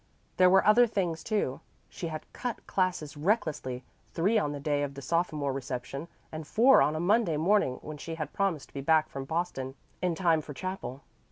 There were other things too. She had "cut" classes recklessly three on the day of the sophomore reception, and four on a Monday morning when she had promised to be back from Boston in time for chapel.